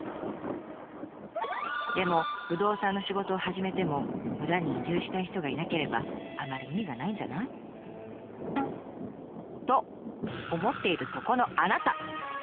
でも不動産の仕事を始めても村に移住したい人がいなければあまり意味がないんじゃない？と思っているそこのあなた！